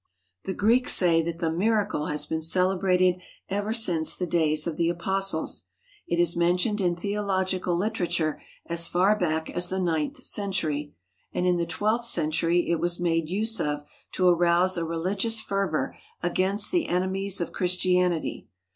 . The Greeks say that the "miracle" has been celebrated ever since the days of the apostles. It is mentioned in theological literature as far back as the ninth century, and in the twelfth century it was made use of to arouse a religious fervour against the enemies of Christianity.